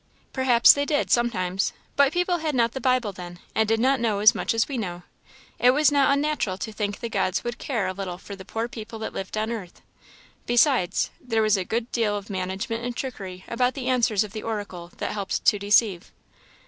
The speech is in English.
"Perhaps they did, sometimes. But people had not the Bible then, and did not know as much as we know. It was not unnatural to think the gods would care a little for the poor people that lived on the earth. Besides, there was a good deal of management and trickery about the answers of the oracle, that helped to deceive."